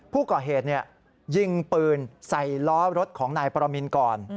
ผู้ก่อเหตุยิงปืนใส่ล้อรถของนายปรมินก่อน